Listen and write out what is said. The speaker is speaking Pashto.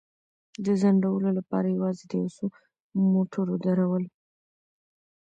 د ځنډولو لپاره یوازې د یو څو موټرو درول.